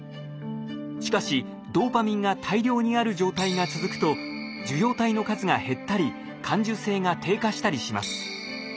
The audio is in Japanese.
しかしドーパミンが大量にある状態が続くと受容体の数が減ったり感受性が低下したりします。